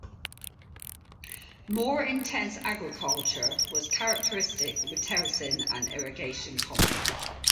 More intense agriculture was characteristic, with terracing and irrigation common.